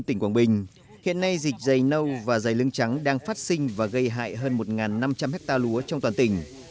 tỉnh quảng bình hiện nay dịch rầy nâu và rầy lưng trắng đang phát sinh và gây hại hơn một năm trăm linh hecta lúa trong toàn tỉnh